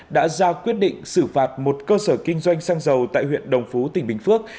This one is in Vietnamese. đã ra quyết định xử phạt một cơ sở kinh doanh xăng dầu tại huyện đồng phú tỉnh bình phước